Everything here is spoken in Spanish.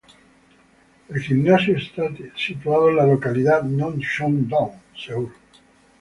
El gimnasio está situado en la localidad Nonhyun-dong, Seúl.